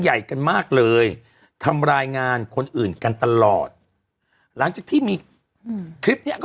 ใหญ่กันมากเลยทำรายงานคนอื่นกันตลอดหลังจากที่มีอืมคลิปเนี้ยก็